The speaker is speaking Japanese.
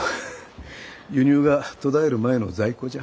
輸入が途絶える前の在庫じゃ。